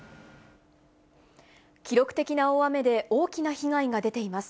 記録的な大雨で、大きな被害が出ています。